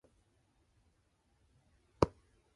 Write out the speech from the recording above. Omaezaki does not have any passenger rail services.